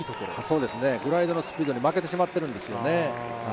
グライドのスピードに負けてしまっているんですよね。